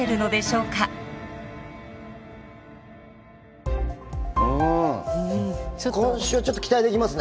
うん今週はちょっと期待できますね。